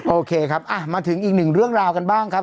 โอเคครับมาถึงอีกหนึ่งเรื่องราวกันบ้างครับ